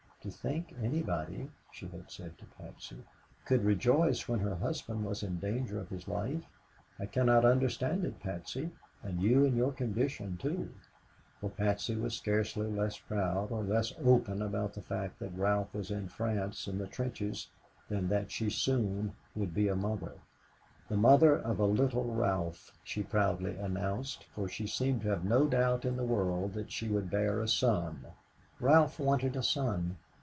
"To think anybody," she had said to Patsy, "could rejoice when her husband was in danger of his life. I cannot understand it, Patsy, and you in your condition, too," for Patsy was scarcely less proud or less open about the fact that Ralph was in France in the trenches than that she soon would be a mother the mother of a little Ralph, she proudly announced, for she seemed to have no doubt in the world that she would bear a son. "Ralph wanted a son."